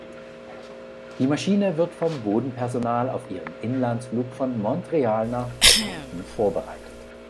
Die Maschine wird vom Bodenpersonal auf ihren Inlandsflug von Montreal nach Edmonton vorbereitet.